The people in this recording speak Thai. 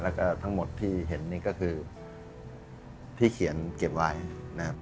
แล้วก็ทั้งหมดที่เห็นนี่ก็คือที่เขียนเก็บไว้นะครับ